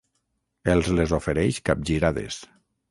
Els les ofereix capgirades.